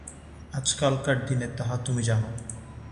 আজকালকার দিনে তাহা তুমি জান।